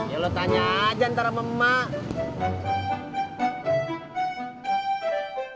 ya lu tanya aja ntar sama mak